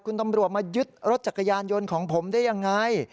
คุณตำรวจมายึดรถจักรยานยนต์ของผมได้ยังไง